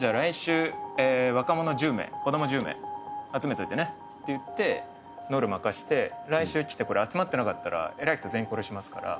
例えば。って言ってノルマ課して来週来て集まってなかったら偉い人全員殺しますから。